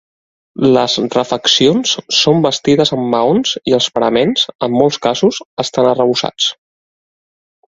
Les refeccions són bastides amb maons i els paraments, en molts casos, estan arrebossats.